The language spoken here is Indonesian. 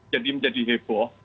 jadi menjadi heboh